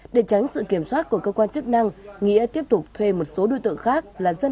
để tránh sự kiểm soát của cơ quan chức năng nghĩa tiếp tục thuê một số đối tượng khác